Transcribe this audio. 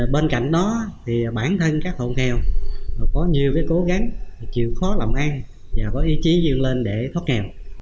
bên cạnh đó bản thân các hộ nghèo có nhiều cố gắng chịu khó làm ăn và có ý chí dương lên để thoát nghèo